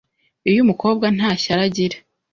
iyo umukobwa nta shyari agira